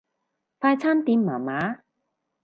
快餐店麻麻